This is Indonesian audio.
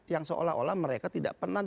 yang seolah olah mereka tidak pernah